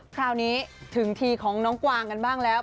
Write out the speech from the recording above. คราวนี้ถึงทีของน้องกวางกันบ้างแล้ว